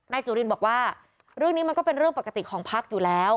จุรินบอกว่าเรื่องนี้มันก็เป็นเรื่องปกติของพักอยู่แล้ว